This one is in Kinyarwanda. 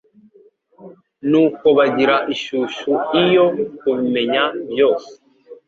Nuko bagira ishyushyu iyo kubimenya byose.